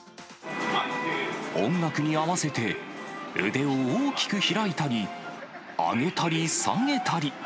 音楽に合わせて、腕を大きく開いたり、上げたり下げたり。